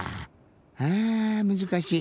あむずかしい。